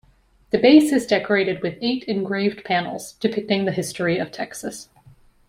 The base is decorated with eight engraved panels depicting the history of Texas.